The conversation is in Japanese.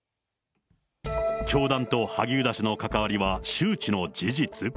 教団と萩生田氏の関わりは周知の事実。